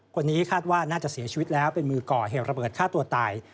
คนนี้คาดว่าน่าจะเสียชีวิตแล้วเป็นมือก่อเหตุระเบิดฆ่าตัวตาย